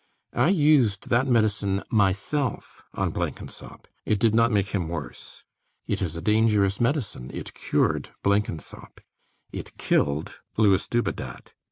I used that medicine myself on Blenkinsop. It did not make him worse. It is a dangerous medicine: it cured Blenkinsop: it killed Louis Dubedat.